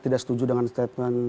tidak setuju dengan statement